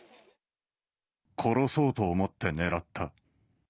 殺そうと思って狙った。